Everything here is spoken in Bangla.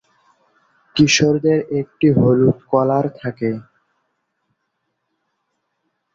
কিশোরদের একটি হলুদ কলার থাকে।